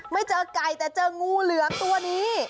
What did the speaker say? ไม่เจอไก่แต่เจองูเหลือมตัวนี้